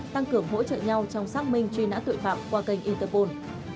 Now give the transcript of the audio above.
tăng cường hỗ trợ nhau trong xác minh truy nã tội phạm qua kênh interpol